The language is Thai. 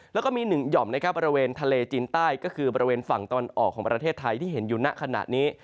แล้วก็มี๑หย่อมในบริเวณทะเลจีนใต้ก็คือบริเวณฝั่งตอนออกของประเทศไทยที่เห็นอยู่หน้าขณะนี้